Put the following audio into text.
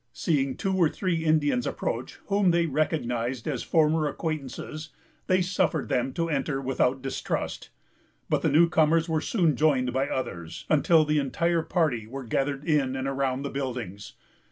Seeing two or three Indians approach, whom they recognized as former acquaintances, they suffered them to enter without distrust; but the new comers were soon joined by others, until the entire party were gathered in and around the buildings.